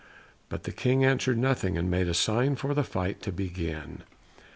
But the King answered nothing, and made a sign for the fight to begin.